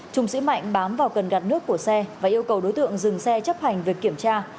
trung sĩ mạnh bám vào cần gạt nước của xe và yêu cầu đối tượng dừng xe chấp hành việc kiểm tra